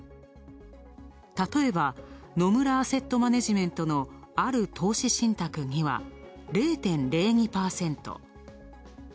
例えば、野村アセットマネジメントのある投資信託には０．０２％。